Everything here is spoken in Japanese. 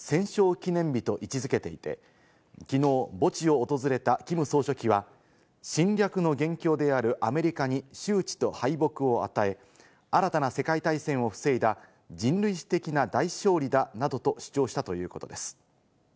記念日と位置付けていて、きのう、墓地を訪れたキム総書記は、侵略の元凶であるアメリカに羞恥と敗北を与え、新たな世界大戦を防いだ人類史的な大勝利だなどと主張したということです。